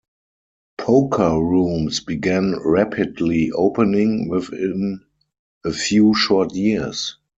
Poker rooms began rapidly opening within a few short years.